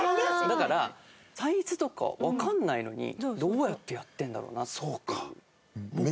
だからサイズとかわかんないのにどうやってやってんだろうなっていう。